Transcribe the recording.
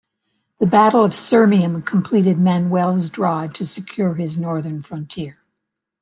The Battle of Sirmium completed Manuel's drive to secure his northern frontier.